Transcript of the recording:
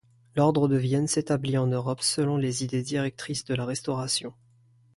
L'ordre de Vienne s'établit en Europe selon les idées directrices de la Restauration.